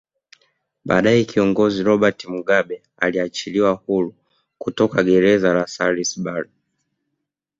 Baadae Kiongozi Robert Mugabe aliachiliwa huru kutoka greza la Salisbury